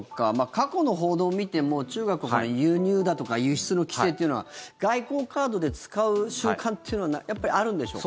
過去の報道を見ても中国が輸入だとか輸出の規制というのは外交カードで使う習慣というのはやっぱりあるんでしょうか？